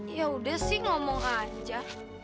ya udah sih ngomong aja